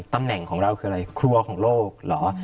ตำแหน่งของเราคืออะไรครัวของโลกเหรอ